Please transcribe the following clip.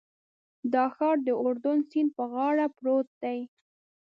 دا ښار د اردن سیند په غاړه پروت دی.